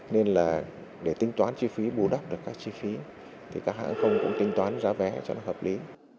nên là để tính toán chi phí bù đắp được các chi phí thì các hãng không cũng tính toán giá vé cho nó hợp lý